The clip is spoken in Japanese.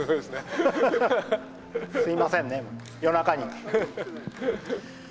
すいませんね、夜中に。